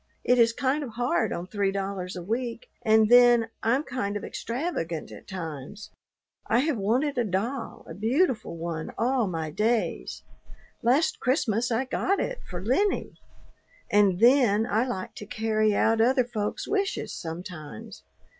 It is kind of hard on three dollars a week, and then I'm kind of extravagant at times. I have wanted a doll, a beautiful one, all my days. Last Christmas I got it for Lennie. And then I like to carry out other folks' wishes sometimes.